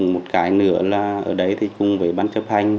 một cái nữa là ở đấy cùng với bán chấp hành